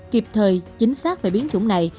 kịp thời chính xác về biến chủng này